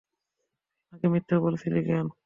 তুই আমাকে মিথ্যে বলেছিলি কেন?